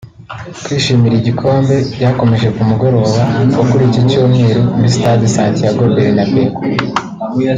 Kwishimira igikombe byakomeje ku mugoroba wo kuri iki Cyumweru muri stade Santiago Bernabeu